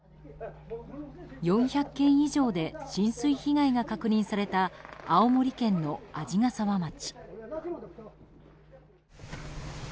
４００軒以上で浸水被害が確認された青森県の鰺ヶ沢町。